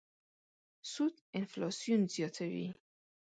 سود انفلاسیون زیاتوي.